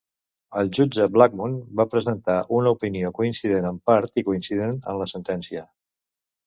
El jutge Blackmun va presentar una opinió coincident en part i coincident en la sentència.